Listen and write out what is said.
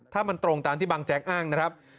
ถ้ามันตรงตามที่บางแจ๊กอ้างนะครับ